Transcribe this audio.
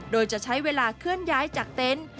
โดยจะใช้เวลาเคลื่อนย้ายจากเต็นต์